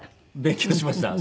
勉強しました。